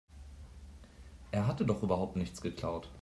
Er hatte doch überhaupt nichts geklaut.